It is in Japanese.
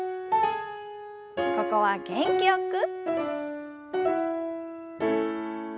ここは元気よく。